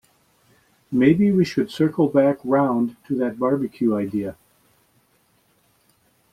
Maybe we should circle back round to that barbecue idea?